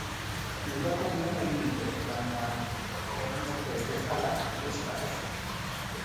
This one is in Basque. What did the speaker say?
Udako plana egin dute, baina, orain arte ez bezala, euskaraz.